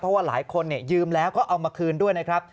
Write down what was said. เพราะว่าหลายคนยืมแล้วก็เอามาคืนด้วยนะครับ